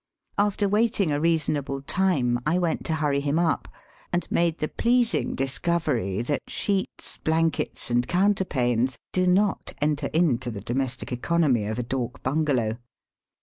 After waiting a reasonable time I went to hurry him up, and made the pleasing discovery that sheets, blankets, and counterpanes do not enter into the domestic economy of a dak bungalow.